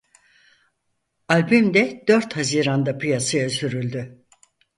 Albüm de dört Haziran'da piyasaya sürüldü.